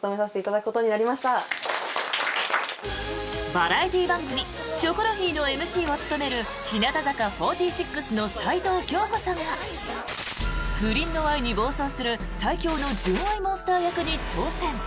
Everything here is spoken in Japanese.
バラエティー番組「キョコロヒー」のＭＣを務める日向坂４６の齊藤京子さんが不倫の愛に暴走する最恐の純愛モンスター役に挑戦。